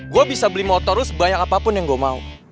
gue bisa beli motor tuh sebanyak apapun yang gue mau